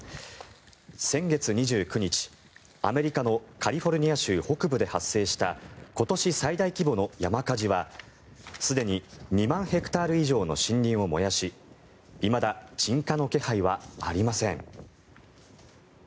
先月２９日、アメリカのカリフォルニア州北部で発生した今年最大規模の山火事はすでに２万ヘクタール以上の森林を燃やしいまだ鎮火の気配はありません。